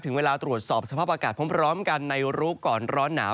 เวลาตรวจสอบสภาพอากาศพร้อมกันในรู้ก่อนร้อนหนาว